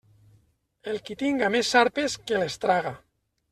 El qui tinga més sarpes, que les traga.